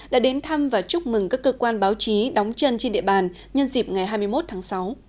đã đến thăm và chúc mừng các cơ quan báo chí đóng chân trên địa bàn nhân dịp ngày hai mươi một tháng sáu